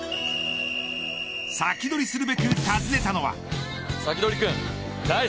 サキドリするべく訪ねたのは。